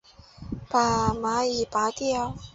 把蚂蚁拨掉